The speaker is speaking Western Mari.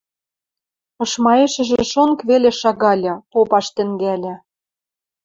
Ышмаэшӹжӹ шонг веле шагальы, попаш тӹнгӓльӹ.